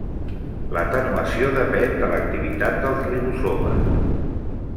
L'atenuació depèn de l'activitat dels ribosomes.